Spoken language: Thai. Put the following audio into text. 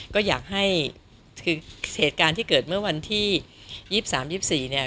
ก็อยากให้ถึงเหตุการณ์ที่เกิดเมื่อวันที่๒๓๒๔เนี่ย